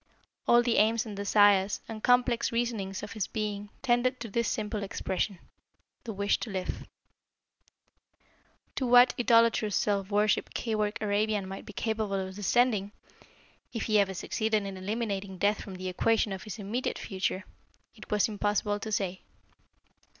All the aims and desires and complex reasonings of his being tended to this simple expression the wish to live. To what idolatrous self worship Keyork Arabian might be capable of descending, if he ever succeeded in eliminating death from the equation of his immediate future, it was impossible to say.